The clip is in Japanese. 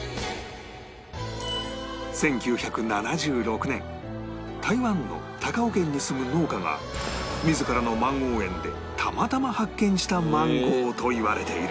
１９７６年台湾の高雄県に住む農家が自らのマンゴー園でたまたま発見したマンゴーといわれている